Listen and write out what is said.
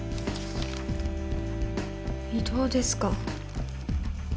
異動ですか？